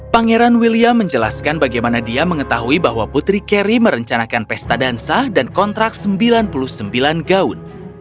pangeran william menjelaskan bagaimana dia mengetahui bahwa putri carry merencanakan pesta dansa dan kontrak sembilan puluh sembilan gaun